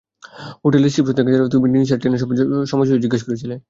Hotel reception থেকে জানালো, তুমি নিসের ট্রেনের সময়সূচী জিজ্ঞাস করছিলে।